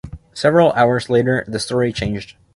Several hours later the story changed.